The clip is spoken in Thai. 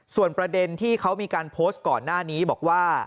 ส่วนประเด็นที่เขามีการโพสต์ก่อนหน้านี้บอกว่า